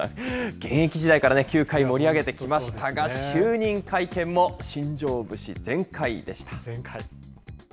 現役時代から野球界を盛り上げてきましたが、就任会見も新庄節全開でした。